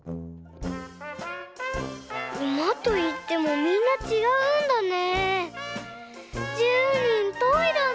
うまといってもみんなちがうんだね。